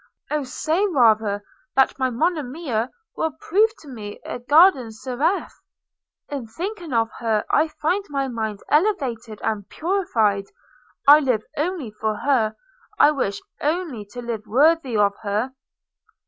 oh say rather that my Monimia will prove to me a guardian seraph! – In thinking of her, I find my mind elevated, and purified – I live only for her – I wish only to live worthy of her.'